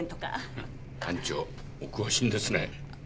班長お詳しいんですね。